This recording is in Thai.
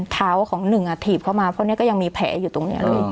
เท้าของหนึ่งถีบเข้ามาเพราะเนี่ยก็ยังมีแผลอยู่ตรงนี้เลย